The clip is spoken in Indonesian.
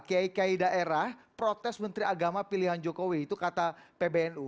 kiai kiai daerah protes menteri agama pilihan jokowi itu kata pbnu